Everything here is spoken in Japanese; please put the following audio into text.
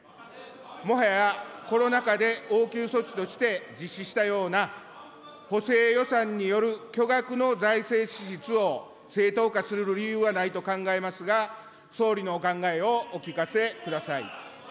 もはやコロナ禍で応急措置として実施したような、補正予算による巨額の財政支出を正当化する理由はないと考えますが総理のお考えをお聞かせください。